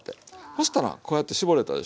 そしたらこうやって絞れたでしょ。